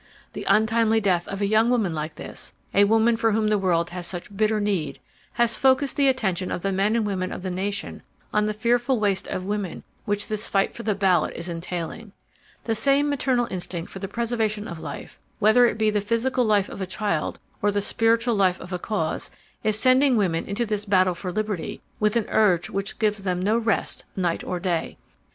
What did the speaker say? The untimely death of a young woman like this—a woman for whom the world has such bitter need—has focussed the attention of the men and women of the nation on the fearful waste of women which this fight for the ballot is entailing. The same maternal instinct for the preservation of life—whether it be the physical life of a child or the spiritual life of a cause—is sending women into this battle for liberty with an urge which gives them no rest night or day.